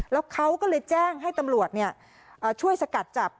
แล้วเขาก็เลยแจ้งให้ตำรวจช่วยสกัดจับ